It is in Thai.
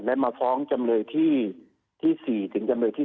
และมาฟ้องจำเลยที่๔ถึงจำเลยที่๓